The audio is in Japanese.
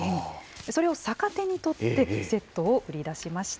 それを逆手に取って、セットを売り出しました。